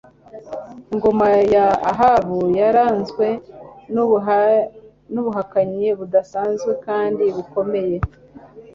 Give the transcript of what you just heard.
ingoma ya Ahabu yaranzwe nubuhakanyi budasanzwe kandi bukomeye